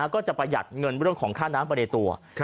ก็จะประหยัดเงินเรื่องของค่าน้ำไปในตัว